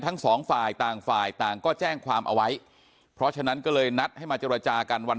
ทั้งสองฝ่ายต่างฝ่ายต่างก็แจ้งความเอาไว้เพราะฉะนั้นก็เลยนัดให้มาเจรจากันวัน